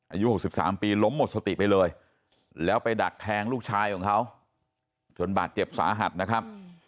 อายุ๖๓ปีล้มหมดสติไปเลยแล้วไปดักแทงลูกชายของเขาจนบาดเจ็บสาหัสนะครับ